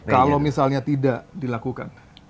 kalau misalnya tidak dilakukan